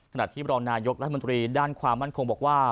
ขณะที่บรรณายกรรภัณฑ์มันตรีด้านขวามันคงบอกว่า